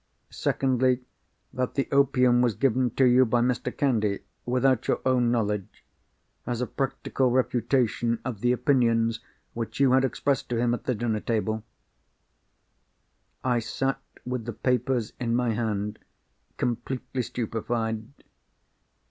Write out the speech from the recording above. Secondly, that the opium was given to you by Mr. Candy—without your own knowledge—as a practical refutation of the opinions which you had expressed to him at the birthday dinner." I sat with the papers in my hand completely stupefied.